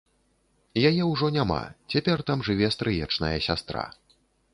Яе ўжо няма, цяпер там жыве стрыечная сястра.